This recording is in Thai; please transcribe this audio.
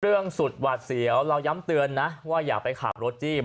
สุดหวาดเสียวเราย้ำเตือนนะว่าอย่าไปขับรถจี้